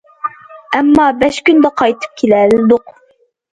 ئەمما، بەش كۈندە قايتىپ كېلەلىدۇق.